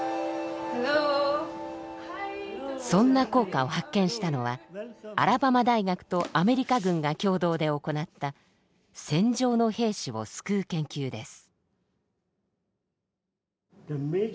そんな効果を発見したのはアラバマ大学とアメリカ軍が共同で行った戦場の兵士を救う研究です。